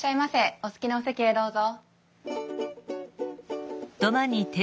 お好きなお席へどうぞ。